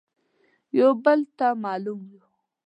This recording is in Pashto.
يو بل ته مالوم يو.